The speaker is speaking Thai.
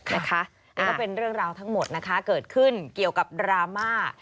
อันนี้ก็เป็นเรื่องราวทั้งหมดนะคะเกิดขึ้นเกี่ยวกับดราม่า